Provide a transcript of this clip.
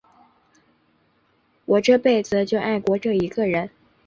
我这辈子就爱过这一个人。